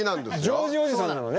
ジョージおじさんどうぞ。